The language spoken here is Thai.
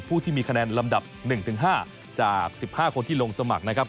ผู้ที่มีคะแนนลำดับ๑๕จาก๑๕คนที่ลงสมัครนะครับ